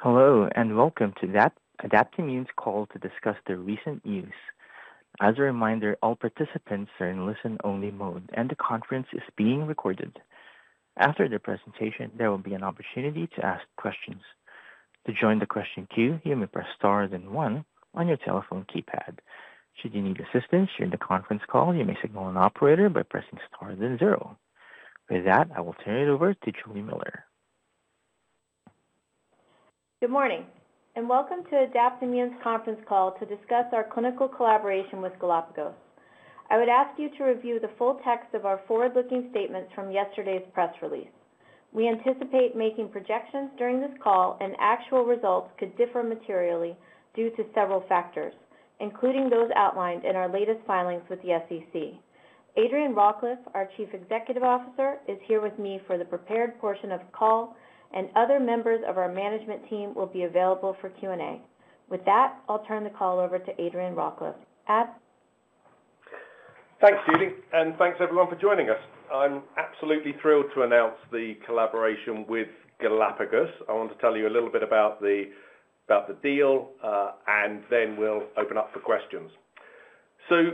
Hello, and welcome to Adaptimmune's call to discuss their recent news. As a reminder, all participants are in listen-only mode, and the conference is being recorded. After the presentation, there will be an opportunity to ask questions. To join the question queue, you may press star, then one on your telephone keypad. Should you need assistance during the conference call, you may signal an operator by pressing star, then zero. With that, I will turn it over to Juli Miller. Good morning, and welcome to Adaptimmune's conference call to discuss our clinical collaboration with Galapagos. I would ask you to review the full text of our forward-looking statements from yesterday's press release. We anticipate making projections during this call, and actual results could differ materially due to several factors, including those outlined in our latest filings with the SEC. Adrian Rawcliffe, our Chief Executive Officer, is here with me for the prepared portion of the call, and other members of our management team will be available for Q&A. With that, I'll turn the call over to Adrian Rawcliffe. Ad? Thanks, Juli, and thanks, everyone, for joining us. I'm absolutely thrilled to announce the collaboration with Galapagos. I want to tell you a little bit about the, about the deal, and then we'll open up for questions. So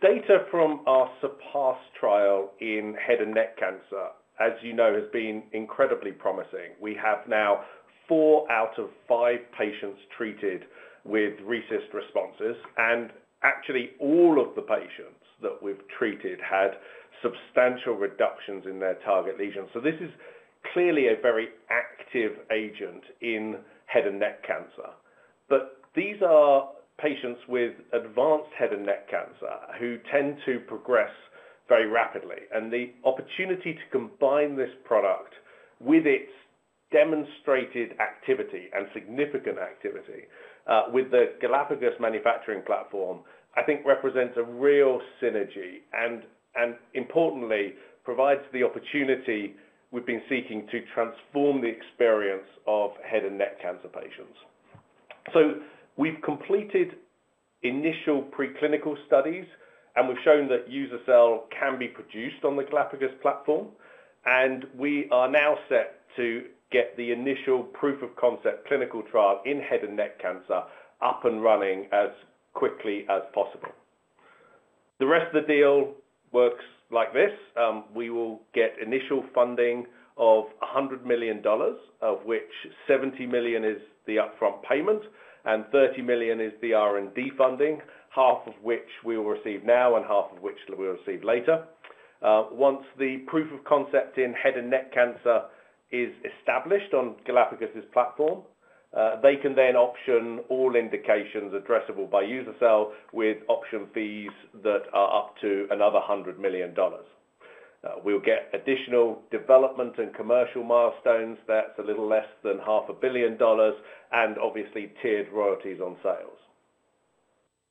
data from our SURPASS trial in head and neck cancer, as you know, has been incredibly promising. We have now four out of five patients treated with RECIST responses, and actually all of the patients that we've treated had substantial reductions in their target lesions. So this is clearly a very active agent in head and neck cancer. But these are patients with advanced head and neck cancer who tend to progress very rapidly, and the opportunity to combine this product with its demonstrated activity and significant activity with the Galapagos manufacturing platform, I think represents a real synergy and, and importantly, provides the opportunity we've been seeking to transform the experience of head and neck cancer patients. So we've completed initial preclinical studies, and we've shown that uza-cel can be produced on the Galapagos platform, and we are now set to get the initial proof of concept clinical trial in head and neck cancer up and running as quickly as possible. The rest of the deal works like this: We will get initial funding of $100 million, of which $70 million is the upfront payment and $30 million is the R&D funding, half of which we will receive now and half of which we'll receive later. Once the proof of concept in head and neck cancer is established on Galapagos's platform, they can then option all indications addressable by uza-cel with option fees that are up to another $100 million. We'll get additional development and commercial milestones, that's a little less than $500 million, and obviously tiered royalties on sales.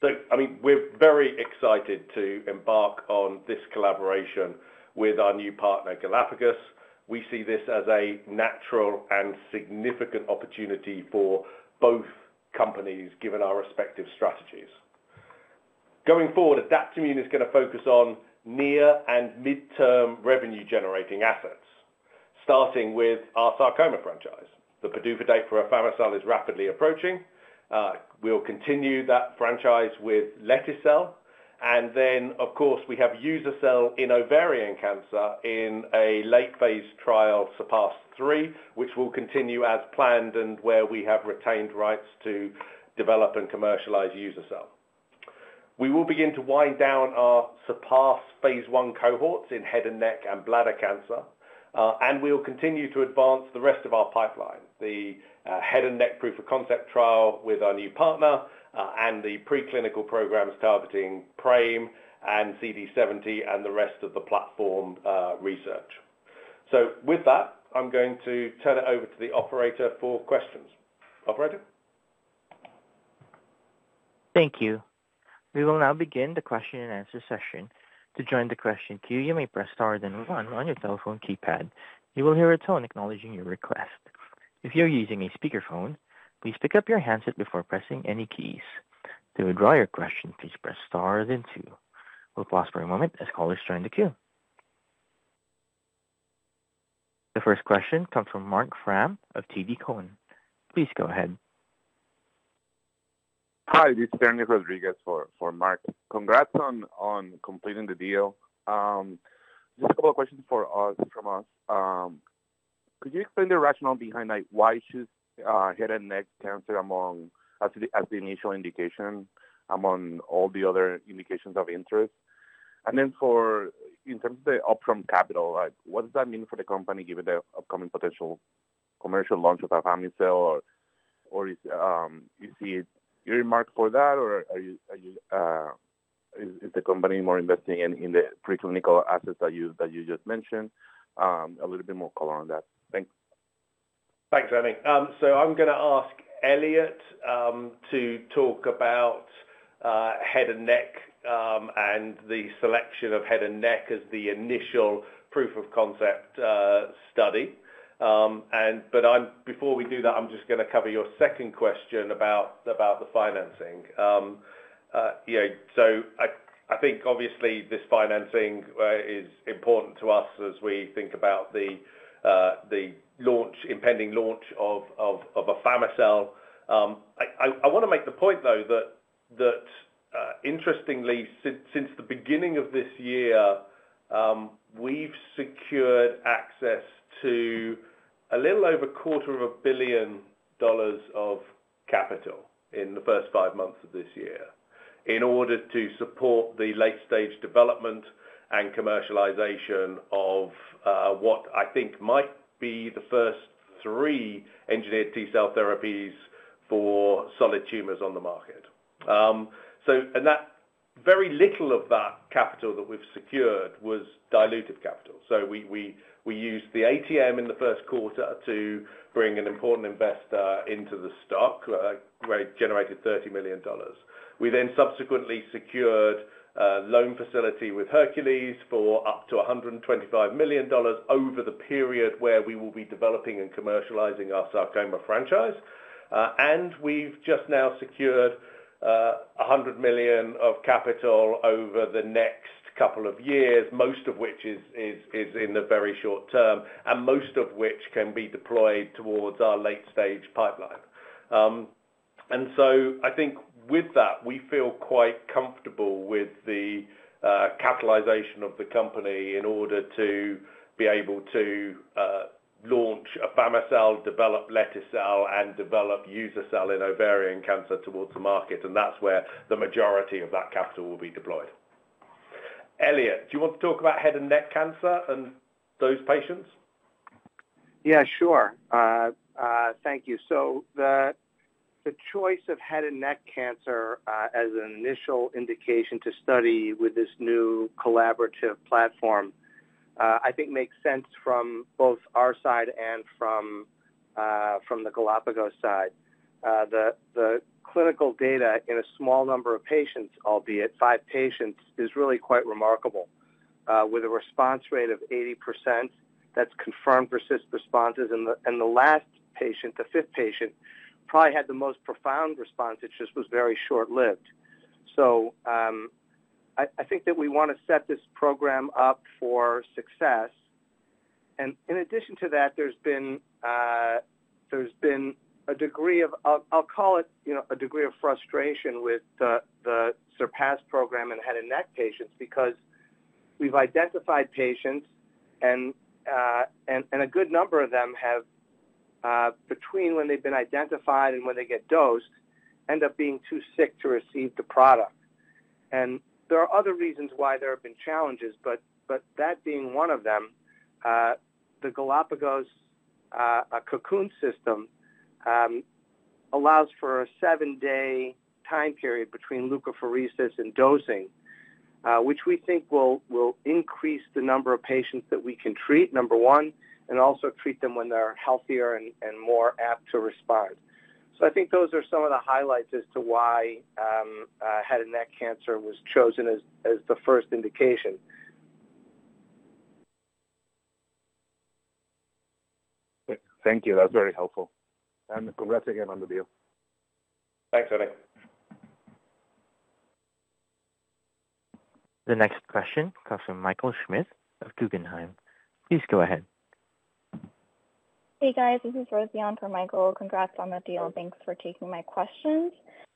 So, I mean, we're very excited to embark on this collaboration with our new partner, Galapagos. We see this as a natural and significant opportunity for both companies, given our respective strategies. Going forward, Adaptimmune is gonna focus on near and mid-term revenue-generating assets, starting with our sarcoma franchise. The PDUFA date for afami-cel is rapidly approaching. We'll continue that franchise with lete-cel, and then, of course, we have uza-cel in ovarian cancer in a late-phase trial, SURPASS-3, which will continue as planned and where we have retained rights to develop and commercialize uza-cel. We will begin to wind down our SURPASS phase I cohorts in head and neck and bladder cancer, and we'll continue to advance the rest of our pipeline, the head and neck proof of concept trial with our new partner, and the preclinical programs targeting PRAME and CD70 and the rest of the platform research. So with that, I'm going to turn it over to the operator for questions. Operator? Thank you. We will now begin the question and answer session. To join the question queue, you may press star then one on your telephone keypad. You will hear a tone acknowledging your request. If you are using a speakerphone, please pick up your handset before pressing any keys. To withdraw your question, please press star, then two. We'll pause for a moment as callers join the queue. The first question comes from Marc Frahm of TD Cowen. Please go ahead. Hi, this is Ernie Rodriguez for Marc. Congrats on completing the deal. Just a couple of questions from us. Could you explain the rationale behind, like, why head and neck cancer as the initial indication among all the other indications of interest? And then, in terms of the upfront capital, like, what does that mean for the company, given the upcoming potential commercial launch of afami-cel or is it earmarked for that, or is the company more investing in the preclinical assets that you just mentioned? A little bit more color on that. Thanks. Thanks, Ernie. So I'm gonna ask Elliot to talk about head and neck and the selection of head and neck as the initial proof of concept study. But before we do that, I'm just gonna cover your second question about the financing. Yeah, so I think obviously this financing is important to us as we think about the impending launch of afami-cel. I wanna make the point, though, that interestingly, since the beginning of this year, we've secured access to a little over $250 million of capital in the first five months of this year, in order to support the late-stage development and commercialization of what I think might be the first three engineered T-cell therapies for solid tumors on the market. So and that very little of that capital that we've secured was diluted capital. So we used the ATM in the first quarter to bring an important investor into the stock, where it generated $30 million. We then subsequently secured a loan facility with Hercules for up to $125 million over the period where we will be developing and commercializing our sarcoma franchise. We've just now secured a hundred million of capital over the next couple of years, most of which is in the very short term, and most of which can be deployed towards our late-stage pipeline. So I think with that, we feel quite comfortable with the capitalization of the company in order to be able to launch afami-cel, develop lete-cel, and develop uza-cel in ovarian cancer towards the market, and that's where the majority of that capital will be deployed. Elliot, do you want to talk about head and neck cancer and those patients? Yeah, sure. Thank you. So the choice of head and neck cancer as an initial indication to study with this new collaborative platform I think makes sense from both our side and from the Galapagos side. The clinical data in a small number of patients, albeit five patients, is really quite remarkable with a response rate of 80%, that's confirmed persistent responses. And the last patient, the fifth patient, probably had the most profound response, it just was very short-lived. So I think that we wanna set this program up for success. And in addition to that, there's been a degree of, I'll call it, you know, a degree of frustration with the SURPASS program in head and neck patients, because we've identified patients and a good number of them have, between when they've been identified and when they get dosed, end up being too sick to receive the product. And there are other reasons why there have been challenges, but that being one of them, the Galapagos Cocoon system allows for a seven-day time period between leukapheresis and dosing, which we think will increase the number of patients that we can treat, number one, and also treat them when they're healthier and more apt to respond. I think those are some of the highlights as to why head and neck cancer was chosen as the first indication. Thank you. That was very helpful. Congrats again on the deal. Thanks, Elliot. The next question comes from Michael Schmidt of Guggenheim. Please go ahead. Hey, guys, this is Rosy on for Michael. Congrats on the deal. Thanks for taking my questions.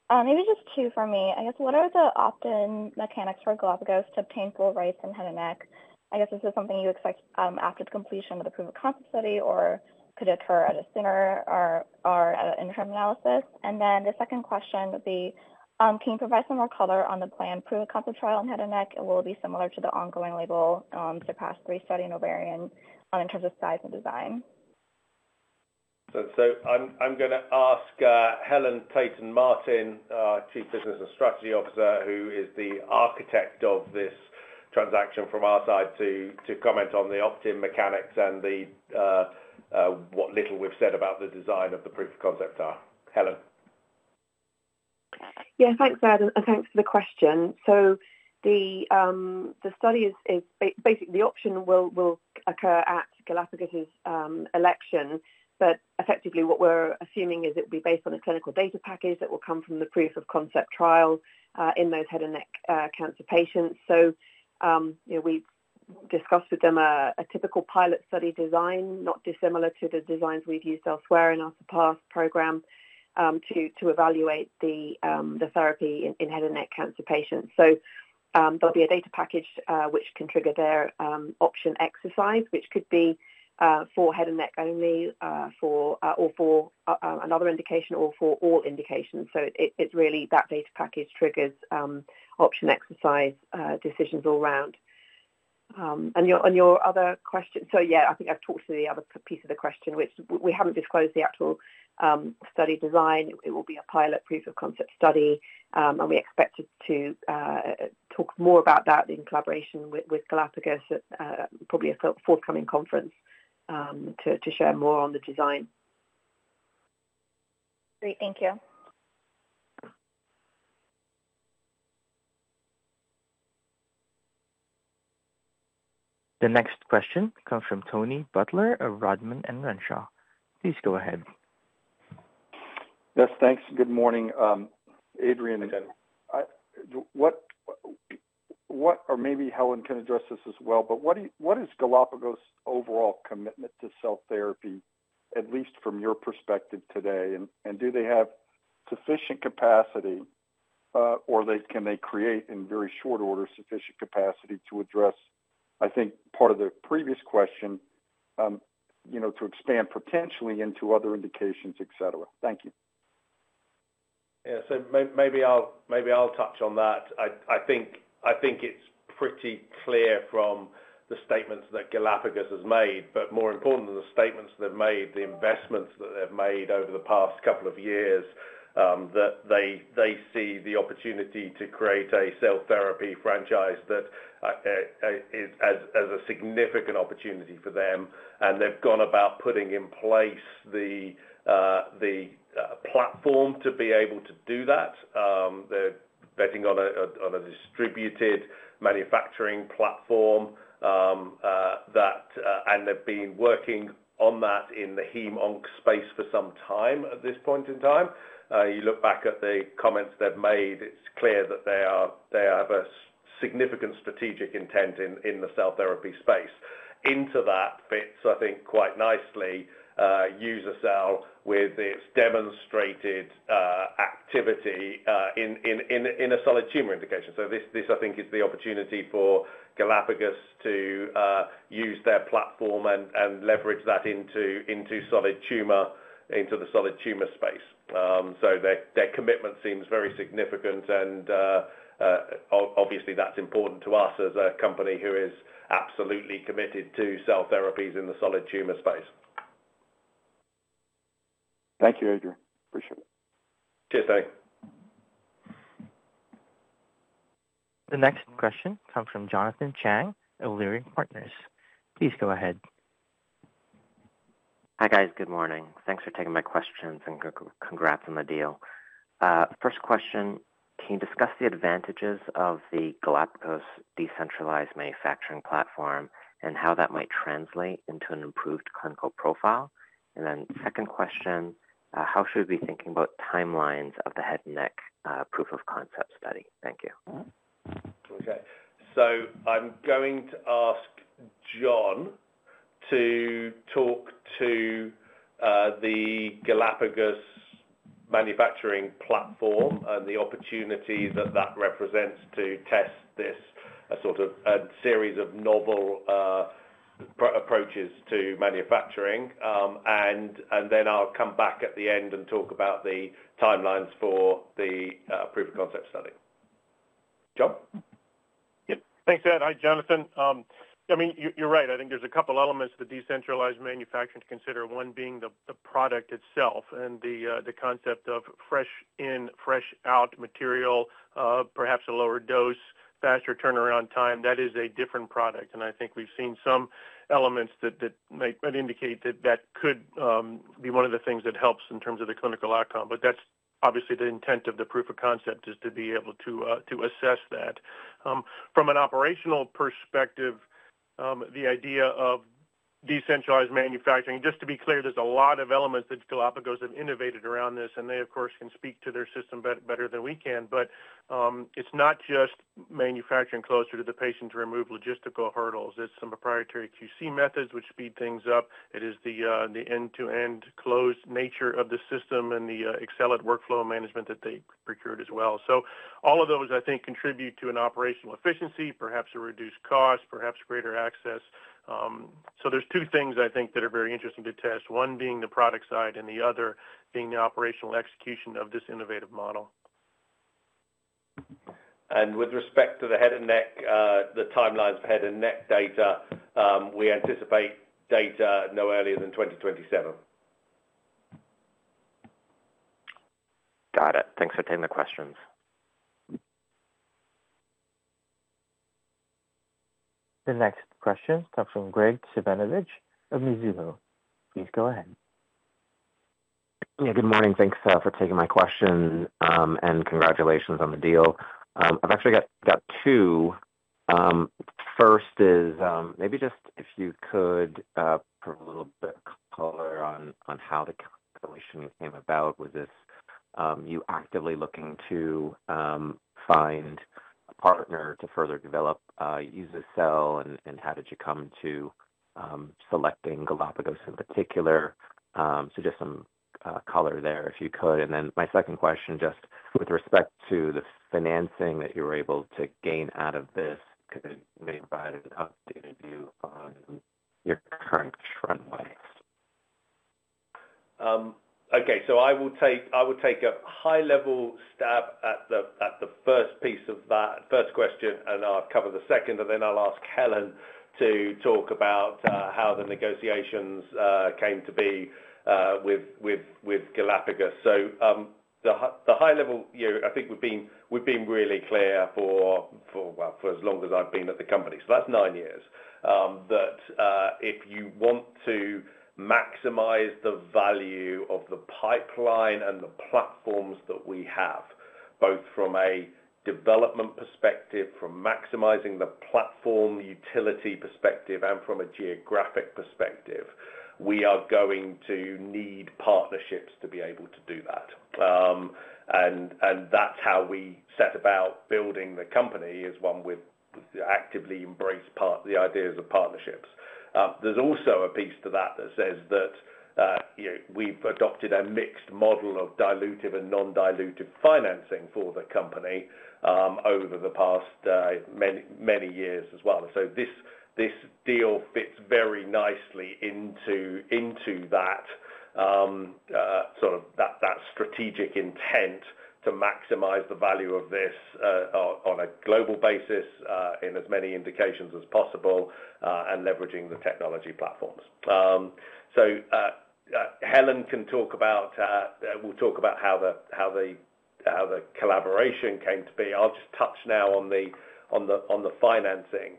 Maybe just two for me. I guess, what are the opt-in mechanics for Galapagos to obtain full rights in head and neck? I guess, is this something you expect after the completion of the proof-of-concept study, or could it occur at a sooner or, or at an interim analysis? And then the second question would be, can you provide some more color on the planned proof-of-concept trial on head and neck, and will it be similar to the ongoing label SURPASS-3 study in ovarian in terms of size and design? I'm gonna ask Helen Tayton-Martin, our Chief Business and Strategy Officer, who is the architect of this transaction from our side, to comment on the opt-in mechanics and the what little we've said about the design of the proof of concept are. Helen? Yeah, thanks, Adrian, and thanks for the question. So the study is basically the option will occur at Galapagos's election. But effectively, what we're assuming is it'll be based on a clinical data package that will come from the proof of concept trial in those head and neck cancer patients. So, you know, we've discussed with them a typical pilot study design, not dissimilar to the designs we've used elsewhere in our SURPASS program, to evaluate the therapy in head and neck cancer patients. So, there'll be a data package which can trigger their option exercise, which could be for head and neck only, or for another indication or for all indications. So it's really that data package triggers option exercise decisions all around. On your other question... So yeah, I think I've talked to the other piece of the question, which we haven't disclosed the actual study design. It will be a pilot proof of concept study, and we expect to talk more about that in collaboration with Galapagos at probably a forthcoming conference, to share more on the design. Great. Thank you. The next question comes from Tony Butler of Rodman & Renshaw. Please go ahead. Yes, thanks. Good morning, Adrian. Good morning. What or maybe Helen can address this as well, but what is Galapagos' overall commitment to cell therapy, at least from your perspective today? And do they have sufficient capacity, or can they create in very short order sufficient capacity to address, I think part of the previous question, you know, to expand potentially into other indications, et cetera? Thank you. Yeah. So maybe I'll touch on that. I think it's pretty clear from the statements that Galapagos has made, but more important than the statements they've made, the investments that they've made over the past couple of years, that they see the opportunity to create a cell therapy franchise that is a significant opportunity for them. And they've gone about putting in place the platform to be able to do that. They're betting on a distributed manufacturing platform that. And they've been working on that in the hem-onc space for some time, at this point in time. You look back at the comments they've made, it's clear that they have a significant strategic intent in the cell therapy space. Into that fits, I think, quite nicely, uza-cel with its demonstrated activity in a solid tumor indication. So this, I think, is the opportunity for Galapagos to use their platform and leverage that into the solid tumor space. So their commitment seems very significant, and obviously, that's important to us as a company who is absolutely committed to cell therapies in the solid tumor space. Thank you, Adrian. Appreciate it. Cheers. Tony. The next question comes from Jonathan Chang of Leerink Partners. Please go ahead. Hi, guys. Good morning. Thanks for taking my questions, and congrats on the deal. First question: Can you discuss the advantages of the Galapagos decentralized manufacturing platform, and how that might translate into an improved clinical profile? And then second question: How should we be thinking about timelines of the head and neck proof of concept study? Thank you. Okay. So I'm going to ask John to talk to the Galapagos manufacturing platform and the opportunities that that represents to test this sort of series of novel approaches to manufacturing. And then I'll come back at the end and talk about the timelines for the proof of concept study. John? Yep. Thanks, Ad. Hi, Jonathan. I mean, you, you're right. I think there's a couple elements to decentralized manufacturing to consider, one being the, the product itself and the, the concept of fresh in, fresh out material, perhaps a lower dose, faster turnaround time. That is a different product, and I think we've seen some elements that, that might, might indicate that that could, be one of the things that helps in terms of the clinical outcome. But that's obviously the intent of the proof of concept, is to be able to, to assess that. From an operational perspective, the idea of decentralized manufacturing, just to be clear, there's a lot of elements that Galapagos have innovated around this, and they, of course, can speak to their system better than we can. But, it's not just manufacturing closer to the patient to remove logistical hurdles. It's some proprietary QC methods which speed things up. It is the end-to-end closed nature of the system and they excel at workflow management that they procured as well. So all of those, I think, contribute to an operational efficiency, perhaps a reduced cost, perhaps greater access. So there's two things I think, that are very interesting to test, one being the product side and the other being the operational execution of this innovative model. With respect to the head and neck, the timelines for head and neck data, we anticipate data no earlier than 2027. Got it. Thanks for taking the questions. The next question comes from Graig Suvannavejh of Mizuho. Please go ahead. Yeah, good morning. Thanks for taking my questions, and congratulations on the deal. I've actually got two. First is, maybe just if you could provide a little bit color on how the collaboration came about. Was this you actively looking to find a partner to further develop uza-cel? And how did you come to selecting Galapagos in particular? So just some color there, if you could. And then my second question, just with respect to the financing that you were able to gain out of this, could you maybe provide an updated view on your current runway? Okay, so I will take a high-level stab at the first piece of that first question, and I'll cover the second, and then I'll ask Helen to talk about how the negotiations came to be with Galapagos. So, the high level, you know, I think we've been really clear, well, for as long as I've been at the company, so that's nine years. That if you want to maximize the value of the pipeline and the platforms that we have, both from a development perspective, from maximizing the platform, the utility perspective, and from a geographic perspective, we are going to need partnerships to be able to do that. And that's how we set about building the company, as one, we've actively embraced the ideas of partnerships. There's also a piece to that that says that, you know, we've adopted a mixed model of dilutive and non-dilutive financing for the company, over the past many, many years as well. So this deal fits very nicely into that sort of that strategic intent to maximize the value of this on a global basis in as many indications as possible and leveraging the technology platforms. So Helen will talk about how the collaboration came to be. I'll just touch now on the financing.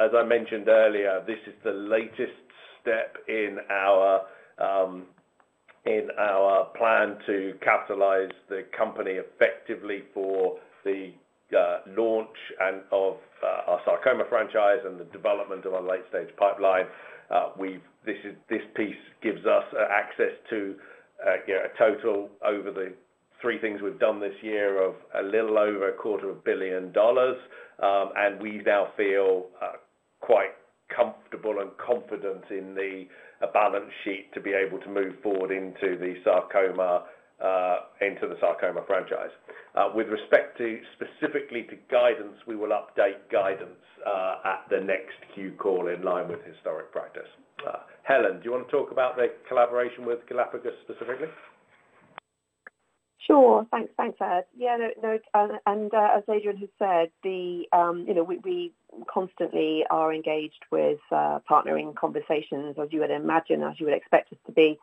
As I mentioned earlier, this is the latest step in our plan to catalyze the company effectively for the launch of our sarcoma franchise and the development of our late-stage pipeline. We've this is, this piece gives us access to, you know, a total over the three things we've done this year of a little over $250 million. And we now feel quite comfortable and confident in the balance sheet to be able to move forward into the sarcoma franchise. With respect to specifically to guidance, we will update guidance at the next Q call in line with historic practice. Helen, do you want to talk about the collaboration with Galapagos specifically? Sure. Thanks. Thanks, Ad. Yeah, no, no, and as Adrian has said, you know, we constantly are engaged with partnering conversations, as you would imagine, as you would expect us to be,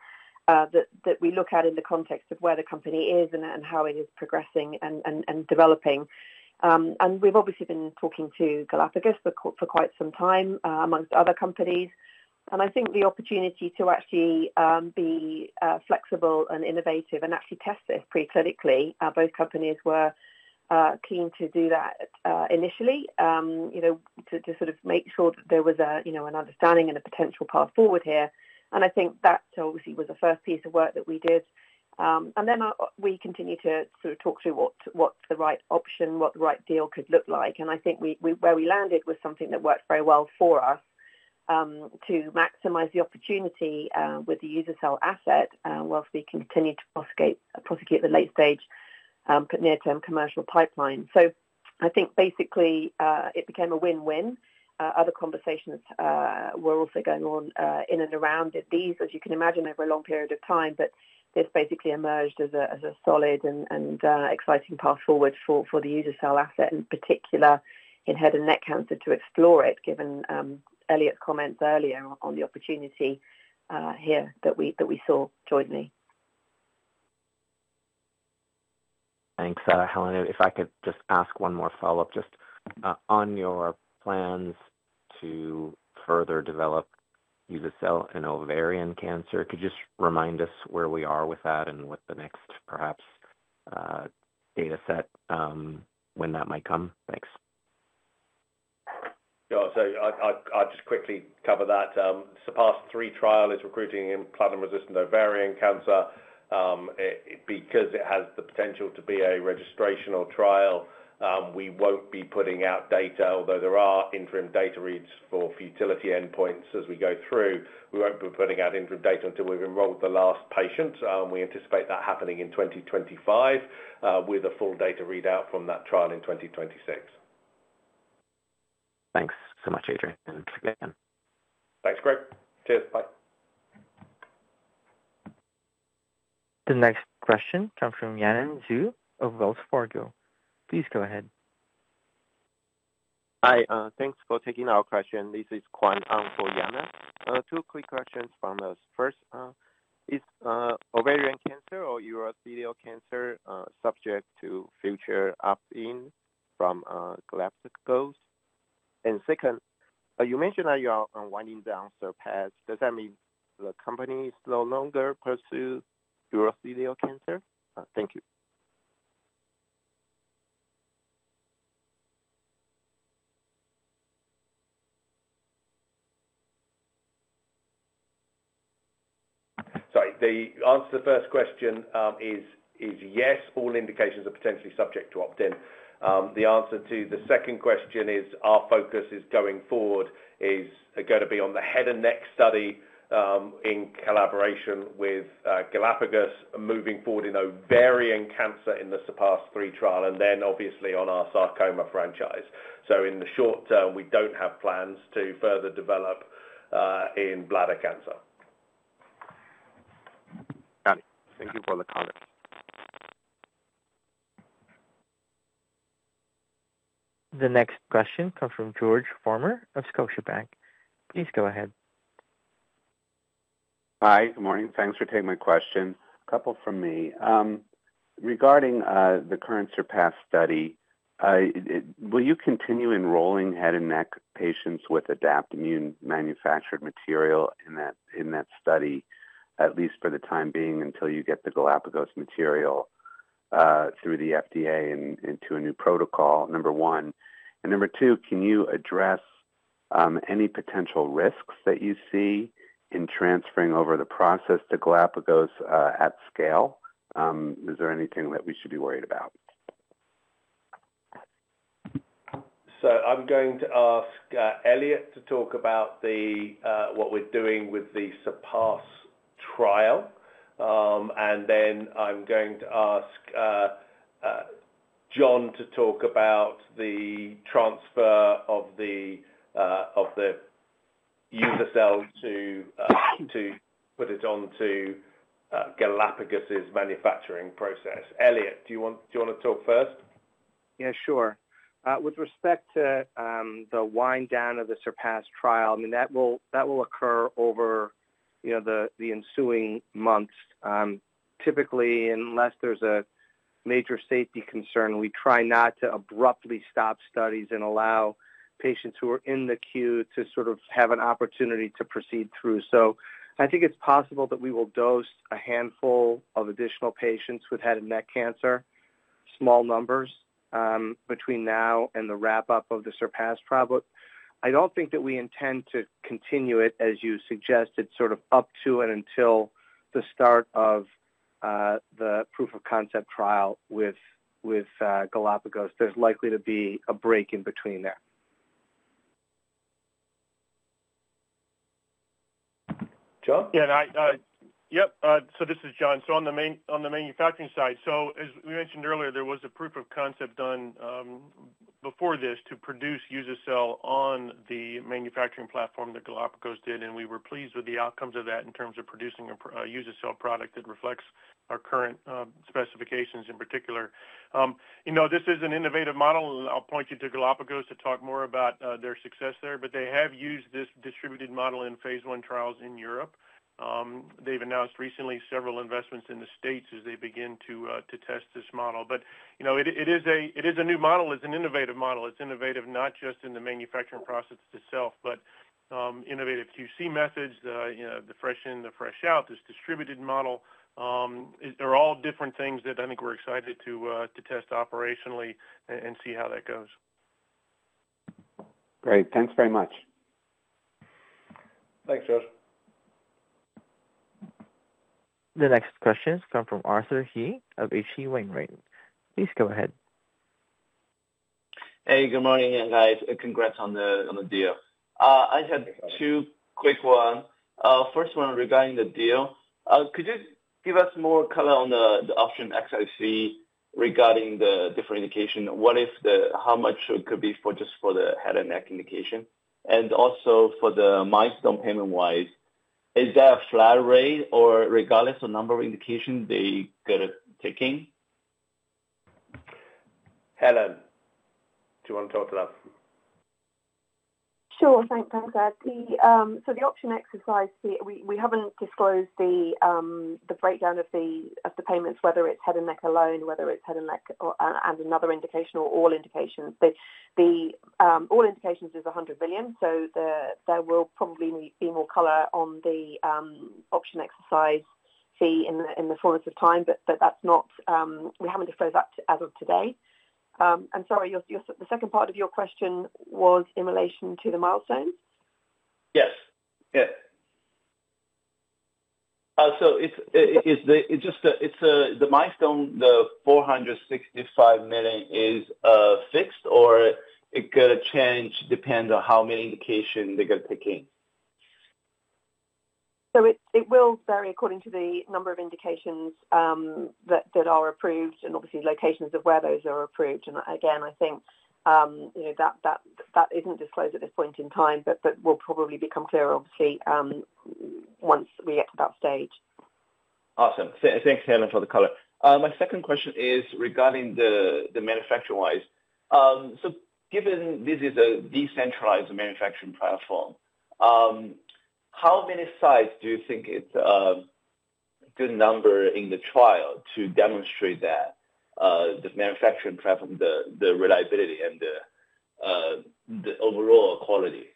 that we look at in the context of where the company is and how it is progressing and developing. And we've obviously been talking to Galapagos for quite some time, amongst other companies. And I think the opportunity to actually be flexible and innovative and actually test this pre-clinically, both companies were keen to do that initially. You know, to sort of make sure that there was, you know, an understanding and a potential path forward here. And I think that obviously was the first piece of work that we did. And then, we continued to sort of talk through what, what's the right option, what the right deal could look like. And I think where we landed was something that worked very well for us, to maximize the opportunity, with the uza-cel asset, whilst we continued to prosecute the late stage, but near-term commercial pipeline. So I think basically, it became a win-win. Other conversations were also going on, in and around it. These, as you can imagine, over a long period of time, but this basically emerged as a solid and exciting path forward for the uza-cel asset, in particular in head and neck cancer, to explore it, given Elliot's comments earlier on the opportunity, here that we saw jointly. Thanks, Helen. If I could just ask one more follow-up, just, on your plans to further develop uza-cel in ovarian cancer. Could you just remind us where we are with that and what the next, perhaps, data set, when that might come? Thanks. Yeah, so I'll just quickly cover that. SURPASS-3 trial is recruiting in platinum-resistant ovarian cancer. Because it has the potential to be a registrational trial, we won't be putting out data, although there are interim data reads for futility endpoints as we go through. We won't be putting out interim data until we've enrolled the last patient. We anticipate that happening in 2025, with a full data readout from that trial in 2026. Thanks so much, Adrian. Thanks, Graig. Cheers. Bye. The next question comes from Yanan Zhu of Wells Fargo. Please go ahead. Hi, thanks for taking our question. This is Kuan Ang for Yanan. Two quick questions from us. First, is ovarian cancer or urothelial cancer subject to future opt-in from Galapagos? And second, you mentioned that you are unwinding down SURPASS. Does that mean the company is no longer pursue urothelial cancer? Thank you. Sorry. The answer to the first question is yes, all indications are potentially subject to opt-in. The answer to the second question is, our focus going forward is gonna be on the head and neck study in collaboration with Galapagos, moving forward in ovarian cancer in the SURPASS-3 trial, and then obviously on our sarcoma franchise. So in the short term, we don't have plans to further develop in bladder cancer. Got it. Thank you for the comment. The next question comes from George Farmer of Scotiabank. Please go ahead. Hi, good morning. Thanks for taking my question. A couple from me. Regarding the current SURPASS study, will you continue enrolling head and neck patients with Adaptimmune manufactured material in that study, at least for the time being, until you get the Galapagos material through the FDA and into a new protocol? Number one. And number two, can you address any potential risks that you see in transferring over the process to Galapagos at scale? Is there anything that we should be worried about? So I'm going to ask, Elliot, to talk about what we're doing with the SURPASS trial. And then I'm going to ask, John, to talk about the transfer of the uza-cel to put it onto Galapagos's manufacturing process. Elliot, do you want, do you want to talk first? Yeah, sure. With respect to the wind down of the SURPASS trial, I mean, that will, that will occur over, you know, the, the ensuing months. Typically, unless there's a major safety concern, we try not to abruptly stop studies and allow patients who are in the queue to sort of have an opportunity to proceed through. So I think it's possible that we will dose a handful of additional patients with head and neck cancer, small numbers, between now and the wrap-up of the SURPASS trial. But I don't think that we intend to continue it, as you suggested, sort of up to and until the start of the proof of concept trial with Galapagos. There's likely to be a break in between there. John? Yeah, and Yep, so this is John. So on the manufacturing side, so as we mentioned earlier, there was a proof of concept done before this to produce uza-cel on the manufacturing platform that Galapagos did, and we were pleased with the outcomes of that in terms of producing a uza-cel product that reflects our current specifications in particular. You know, this is an innovative model. I'll point you to Galapagos to talk more about their success there, but they have used this distributed model in phase one trials in Europe. They've announced recently several investments in the States as they begin to test this model. But, you know, it is a new model. It's an innovative model. It's innovative, not just in the manufacturing process itself, but innovative QC methods, you know, the fresh in, the fresh out, this distributed model. They're all different things that I think we're excited to test operationally and see how that goes. Great. Thanks very much. Thanks, George. The next question comes from Arthur He of H.C. Wainwright. Please go ahead. Hey, good morning, guys, and congrats on the, on the deal. I just have two quick one. First one, regarding the deal, could you give us more color on the, the option exercise regarding the different indication? What if the, how much it could be for just for the head and neck indication? And also for the milestone payment-wise, is there a flat rate or regardless of number of indications they get it taking? Helen, do you want to talk to that? Sure. Thanks, Adrian. So the option exercise, we haven't disclosed the breakdown of the payments, whether it's head and neck alone, whether it's head and neck or and another indication or all indications. But all indications is $100 million, so there will probably be more color on the option exercise fee in the fullness of time, but that's not, we haven't disclosed that as of today. I'm sorry, your the second part of your question was in relation to the milestones? Yes. Yes. So it's just the milestone, the $465 million is fixed, or it could change, depends on how many indications they get taking? So it will vary according to the number of indications that are approved and obviously locations of where those are approved. And again, I think, you know, that isn't disclosed at this point in time, but will probably become clear, obviously, once we get to that stage. Awesome. Thanks, Helen, for the color. My second question is regarding the manufacture-wise. So given this is a decentralized manufacturing platform, how many sites do you think it's a good number in the trial to demonstrate that the manufacturing platform, the reliability and the overall quality?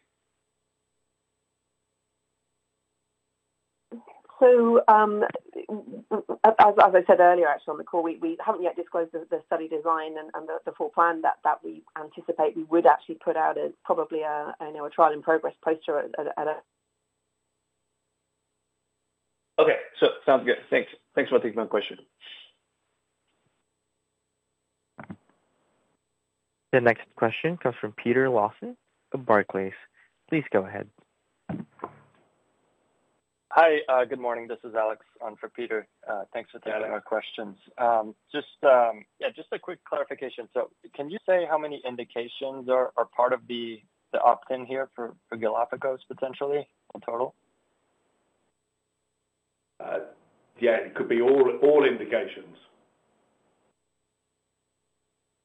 So, as I said earlier, actually, on the call, we haven't yet disclosed the study design and the full plan that we anticipate. We would actually put out probably a, you know, a trial in progress poster at a- Okay, so sounds good. Thanks. Thanks for taking my question. The next question comes from Peter Lawson of Barclays. Please go ahead. Hi, good morning. This is Alex, on for Peter. Thanks for taking- Yeah. - our questions. Just, yeah, just a quick clarification. So can you say how many indications are part of the opt-in here for Galapagos, potentially, in total? Yeah, it could be all indications.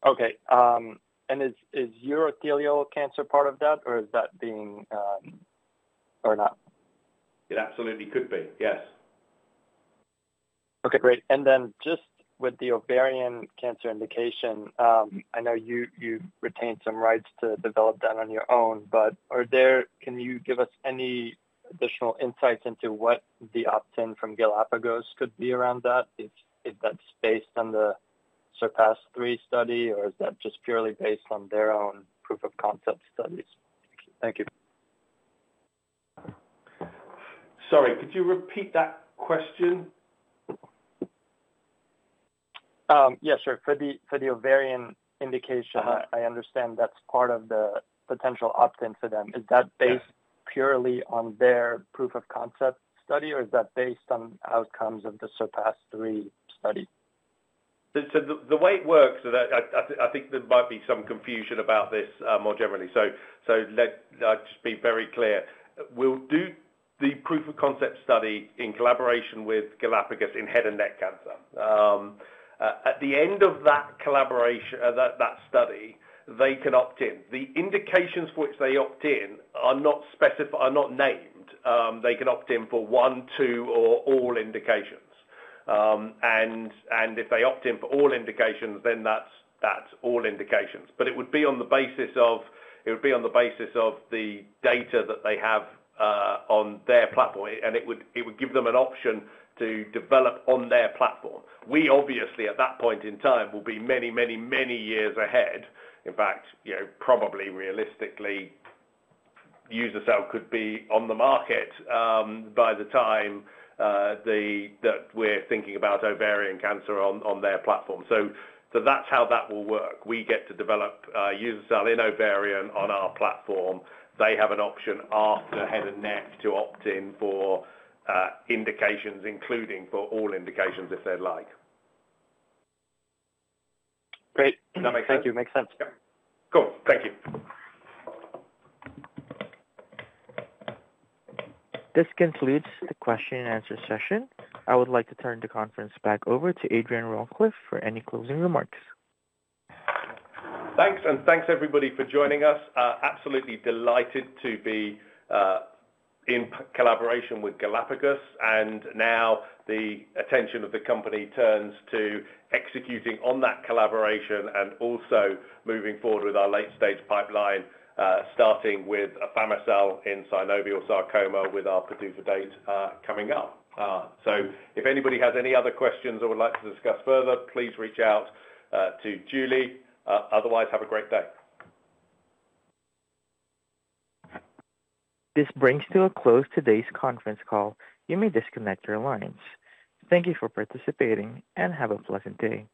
Okay. And is urothelial cancer part of that, or is that being, or not? It absolutely could be, yes. Okay, great. And then just with the ovarian cancer indication, I know you retained some rights to develop that on your own, but can you give us any additional insights into what the opt-in from Galapagos could be around that? If that's based on the SURPASS-3 study, or is that just purely based on their own proof of concept studies? Thank you. Sorry, could you repeat that question? Yes, sure. For the ovarian indication. Uh-huh. I understand that's part of the potential opt-in for them. Yeah. Is that based purely on their proof of concept study, or is that based on outcomes of the SURPASS-3 study? So the way it works, I think there might be some confusion about this more generally. So let's just be very clear. We'll do the proof of concept study in collaboration with Galapagos in head and neck cancer. At the end of that collaboration, that study, they can opt in. The indications which they opt in are not named. They can opt in for one, two, or all indications. And if they opt in for all indications, then that's all indications. But it would be on the basis of the data that they have on their platform, and it would give them an option to develop on their platform. We obviously, at that point in time, will be many, many, many years ahead. In fact, you know, probably realistically, uza-cel could be on the market by the time that we're thinking about ovarian cancer on their platform. So that's how that will work. We get to develop uza-cel in ovarian on our platform. They have an option after head and neck to opt in for indications, including for all indications, if they'd like. Great. Does that make sense? Thank you. Makes sense. Yeah. Cool. Thank you. This concludes the question and answer session. I would like to turn the conference back over to Adrian Rawcliffe for any closing remarks. Thanks, and thanks everybody for joining us. Absolutely delighted to be in collaboration with Galapagos, and now the attention of the company turns to executing on that collaboration and also moving forward with our late-stage pipeline, starting with afami-cel in synovial sarcoma, with our PDUFA date coming up. So if anybody has any other questions or would like to discuss further, please reach out to Juli. Otherwise, have a great day. This brings to a close today's conference call. You may disconnect your lines. Thank you for participating, and have a pleasant day.